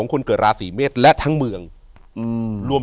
อยู่ที่แม่ศรีวิรัยิลครับ